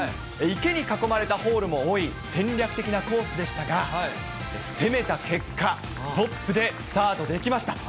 池に囲まれたホールも多い戦略的なコースでしたが、攻めた結果、トップでスタートできました。